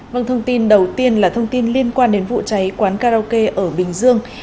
vâng thông tin đầu tiên là thông tin liên quan đến vụ cháy quán karaoke ở bình dương